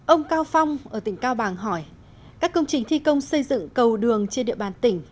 ông cao phong ở tỉnh cao bàng hỏi các công trình thi công xây dựng cầu đường trên địa bàn tỉnh